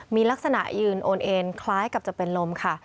มีลักษณะยืนโอนเอ็นคล้ายกับจะเป็นลมค่ะ